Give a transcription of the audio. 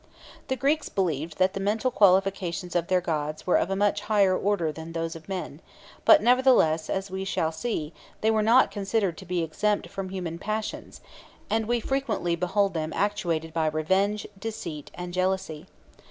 The Greeks believed that the mental qualifications of their gods were of a much higher order than those of men, but nevertheless, as we shall see, they were not considered to be exempt from human passions, and we frequently behold them actuated by revenge, deceit, and jealousy.